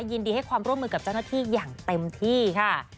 ยินดีให้ความร่วมมือกับเจ้าหน้าที่อย่างเต็มที่ค่ะ